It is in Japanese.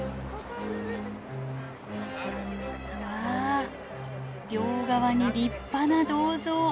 うわ両側に立派な銅像。